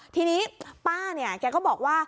ทีนี้ป้าแกก็บอกว่า